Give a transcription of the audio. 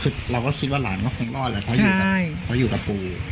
คือเราก็คิดว่าหลานเขาคงรอดแหละเพราะอยู่กับปู่